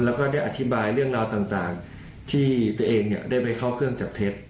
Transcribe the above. แล้วก็ได้อธิบายเรื่องราวต่างที่ตัวเองได้ไปเข้าเครื่องจับเท็จ